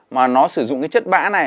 mà nó sử dụng cái chất bã này